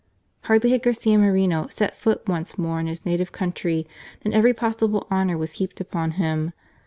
Hardly had Garcia Moreno set foot once more in his native country than every possible honour was heaped upon him.